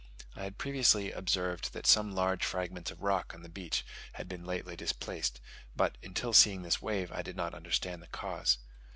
I had previously observed that some large fragments of rock on the beach had been lately displaced; but until seeing this wave, I did not understand the cause.